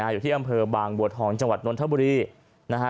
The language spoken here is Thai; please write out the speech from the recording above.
อยู่ที่อำเภอบางบัวทองจังหวัดนทบุรีนะฮะ